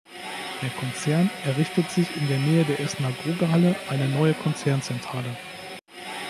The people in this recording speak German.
Der Konzern errichtet sich in der Nähe der Essener Grugahalle eine neue Konzernzentrale.